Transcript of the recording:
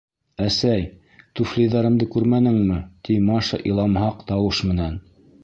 — Әсәй, туфлиҙәремде күрмәнеңме? —ти Маша иламһаҡ тауыш менән.